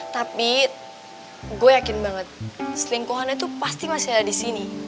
tapi gue yakin banget selingkuhannya itu pasti masih ada di sini